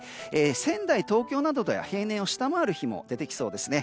仙台、東京などでは平年を下回る日も出てきそうです。